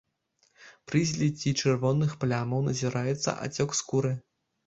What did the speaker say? Пры зліцці чырвоных плямаў назіраецца ацёк скуры.